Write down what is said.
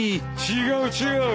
違う違う。